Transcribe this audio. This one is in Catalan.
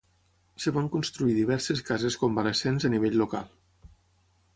Es van construir diverses cases convalescents a nivell local.